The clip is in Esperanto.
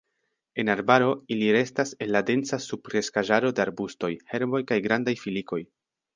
En arbaro, ili restas en la densa subkreskaĵaro de arbustoj, herboj kaj grandaj filikoj.